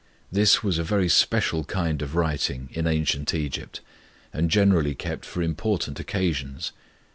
This was a very special kind of writing in ancient Egypt, and generally kept for important occasions.